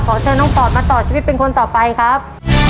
ขอเจอน้องฟรอทมาต่อชีวิตเป็นคนต่อไปครับ